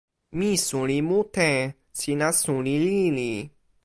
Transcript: mi suli mute. sina suli lili.